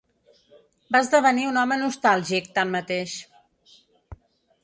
Va esdevenir un home nostàlgic, tanmateix.